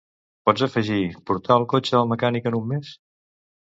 Pots afegir "portar el cotxe al mecànic" en un mes?